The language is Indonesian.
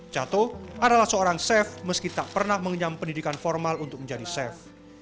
cato adalah seorang chef meski tak pernah mengenyam pendidikan formal untuk menjadi chef